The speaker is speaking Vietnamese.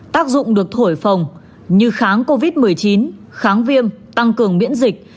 tác dụng được thổi phòng như kháng covid một mươi chín kháng viêm tăng cường miễn dịch